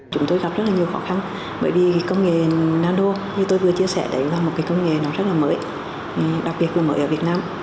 chúng tôi gặp rất nhiều khó khăn bởi vì công nghệ nano như tôi vừa chia sẻ là một công nghệ rất mới đặc biệt là mới ở việt nam